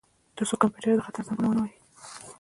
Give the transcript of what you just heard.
ترڅو کمپیوټر د خطر زنګونه ونه وهي